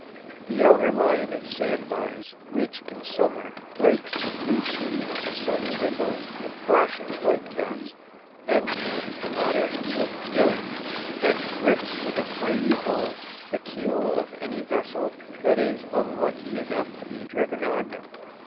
The outer line of sand bars, which in summer breaks the blue sea into sunny ripples and flashing whitecaps, then churns the water into fury and grips with a mighty hold the keel of any vessel that is unlucky enough to be driven on them.